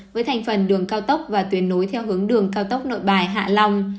với thành phần đường cao tốc và tuyệt nối theo hướng đường cao tốc nội bài hạ long